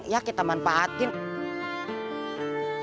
jadi ada di kolong tol yang kosong